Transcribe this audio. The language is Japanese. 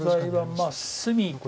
まあ隅。